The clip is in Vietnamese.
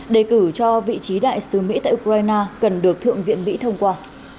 đề cử cho vị trí đại sứ mỹ tại ukraine cần được thượng viện mỹ thông qua